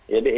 iya dek ya